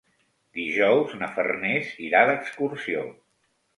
Dijous na Farners irà d'excursió.